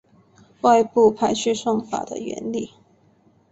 外部排序算法的原理